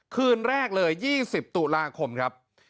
คืนแรกเลย๒๐ตุลาคมครับ